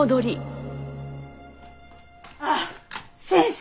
あっ先生